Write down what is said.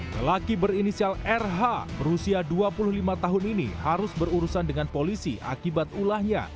lelaki berinisial rh berusia dua puluh lima tahun ini harus berurusan dengan polisi akibat ulahnya